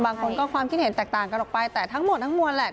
บางคนก็ความคิดเห็นแตกต่างกันออกไปแต่ทั้งหมดทั้งมวลแหละ